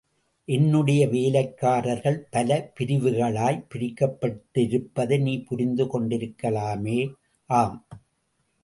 என்னுடைய வேலைக்காரர்கள் பல பிரிவுகளாய்ப் பிரிக்கப்பட்டிருப்பதை நீ புரிந்து கொண்டிருக்கலாமே! ஆம்!